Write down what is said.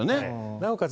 なおかつ